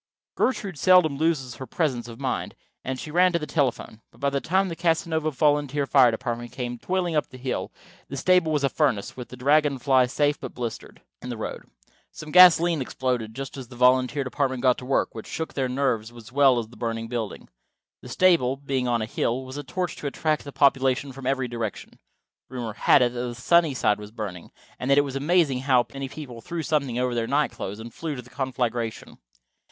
Gertrude seldom loses her presence of mind, and she ran to the telephone. But by the time the Casanova volunteer fire department came toiling up the hill the stable was a furnace, with the Dragon Fly safe but blistered, in the road. Some gasolene exploded just as the volunteer department got to work, which shook their nerves as well as the burning building. The stable, being on a hill, was a torch to attract the population from every direction. Rumor had it that Sunnyside was burning, and it was amazing how many people threw something over their night clothes and flew to the conflagration.